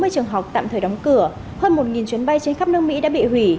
sáu mươi trường học tạm thời đóng cửa hơn một chuyến bay trên khắp nước mỹ đã bị hủy